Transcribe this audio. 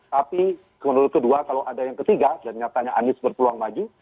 tapi menurut kedua kalau ada yang ketiga dan nyatanya anies berpeluang maju